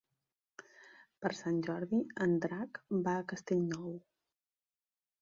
Per Sant Jordi en Drac va a Castellnou.